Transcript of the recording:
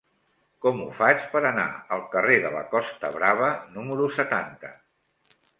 Com ho faig per anar al carrer de la Costa Brava número setanta?